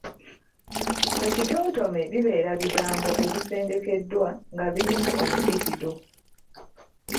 Ekitontome bibeera bigambo ebisengekeddwa nga birimu omudigido,